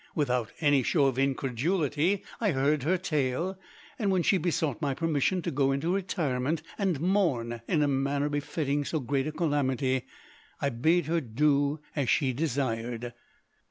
Without any show of incredulity I heard her tale; and when she besought my permission to go into retirement and mourn in a manner befitting so great a calamity, I bade her do as she desired.